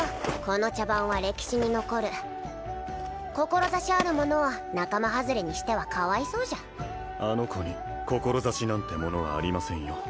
この茶番は歴史に残る志ある者を仲間はずれにしてはかわいそうじゃあの子に志なんてものはありませんよ